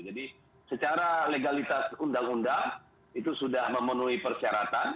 jadi secara legalitas undang undang itu sudah memenuhi persyaratan